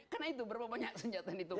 karena itu berapa banyak senjata yang ditumpuk